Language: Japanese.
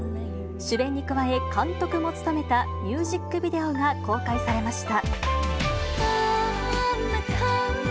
主演に加え、監督も務めたミュージックビデオが公開されました。